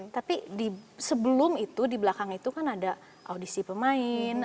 tapi sebelum itu di belakang itu kan ada audisi pemain